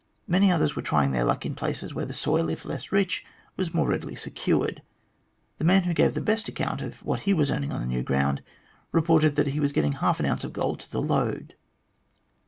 Many others were trying their luck in places where the soil, if less rich, was more readily secured. The man who gave the best account of what he was earning on new ground reported that he was getting half an ounce of gold to the load.